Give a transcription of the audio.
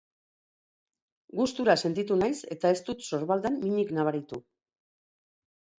Gustura sentitu naiz eta ez dut sorbaldan minik nabaritu.